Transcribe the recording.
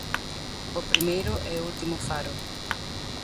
O primeiro e o último faro.